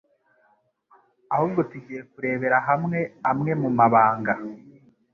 ahubwo tugiye kurebera hamwe amwe mu mabanga